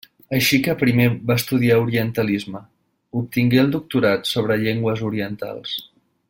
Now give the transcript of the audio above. Així que primer va estudiar orientalisme; obtingué el doctorat sobre llengües orientals.